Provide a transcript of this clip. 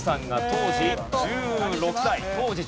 当時１６歳。